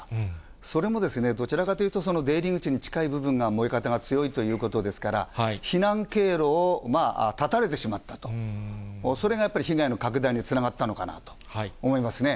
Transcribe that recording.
それもどちらかというと、出入り口に近い部分が燃え方が強いということですから、避難経路を断たれてしまったと、それが被害の拡大につながったのかなと思いますね。